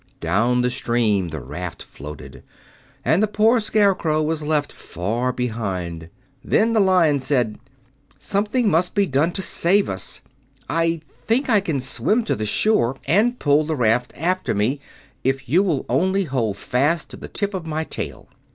Down the stream the raft floated, and the poor Scarecrow was left far behind. Then the Lion said: "Something must be done to save us. I think I can swim to the shore and pull the raft after me, if you will only hold fast to the tip of my tail."